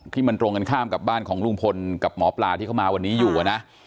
ที่มันตรงกันข้ามกับบ้านของลุงพลกับหมอปลาที่เข้ามาวันนี้อยู่นะ